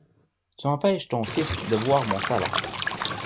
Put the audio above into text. Tu empêches ton fils de voir mon salon.